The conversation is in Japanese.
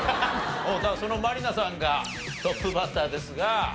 だからその満里奈さんがトップバッターですが。